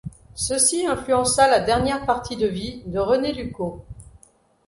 Ceci influença la dernière partie de vie de René Lucot.